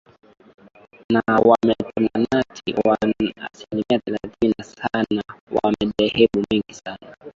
na Waprotestanti asilimia thelathini na Sana wa madhehebu mengi sana